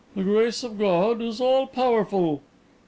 "The grace of God is all powerful."